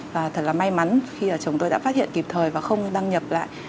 và thật là may mắn khi là chồng tôi đã phát hiện kịp thời và không đăng nhập lại